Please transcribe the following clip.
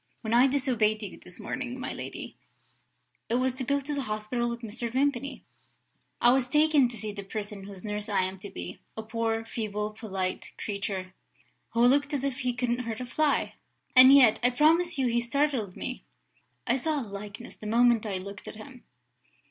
When I disobeyed you this morning, my lady, it was to go to the hospital with Mr. Vimpany. I was taken to see the person whose nurse I am to be. A poor, feeble, polite creature, who looked as if he couldn't hurt a fly and yet I promise you he startled me! I saw a likeness, the moment I looked at him."